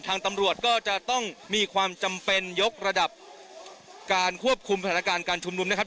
ทางตำรวจก็จะต้องมีความจำเป็นยกระดับการควบคุมสถานการณ์การชุมนุมนะครับ